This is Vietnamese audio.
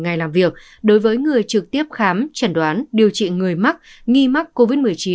ngày làm việc đối với người trực tiếp khám trần đoán điều trị người mắc nghi mắc covid một mươi chín